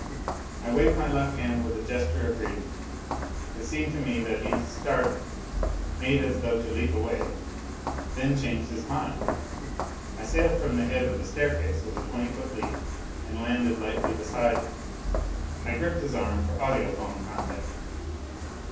I waved my left hand with a gesture of greeting. It seemed to me that he started, made as though to leap away, and then changed his mind. I sailed from the head of the staircase with a twenty foot leap and landed lightly beside him. I gripped his arm for audiphone contact.